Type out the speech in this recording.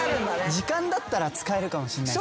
時間だったら使えるかもしんないっすね。